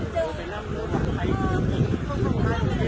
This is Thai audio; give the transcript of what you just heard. สุดท้ายเมื่อเวลาสุดท้ายเมื่อเวลาสุดท้ายเมื่อเวลาสุดท้าย